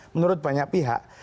menurut banyak pihak